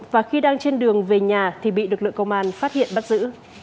và khi đang trên đường về nhà thì bị lực lượng công an phát hiện bắt giữ